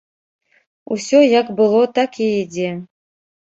Усё як было, так і ідзе.